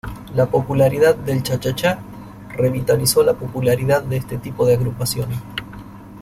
La popularidad del chachachá revitalizó la popularidad de este tipo de agrupación.